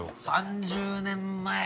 ３０年前。